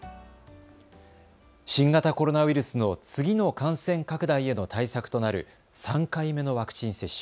新型コロナウイルスの次の感染拡大への対策となる３回目のワクチン接種。